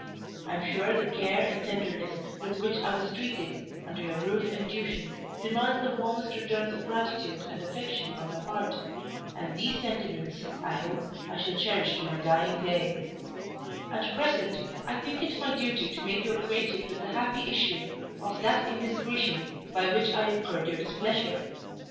I am sure the care and tenderness with which I was treated, under your roof and tuition, demand the warmest returns of gratitude and affection on my part, and these sentiments, I hope, I shall cherish to my dying day At present, I think it my duty to make you acquainted with the happy issue of that indiscretion by which I incurred your displeasure.